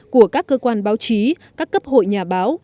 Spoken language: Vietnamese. của các cơ quan báo chí các cấp hội nhà báo